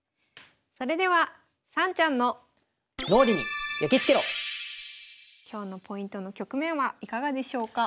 それでは今日のポイントの局面はいかがでしょうか？